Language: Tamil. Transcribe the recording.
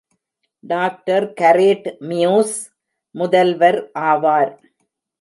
டாக்டர் கரேட் மியூஸ் முதல்வர் ஆவார்.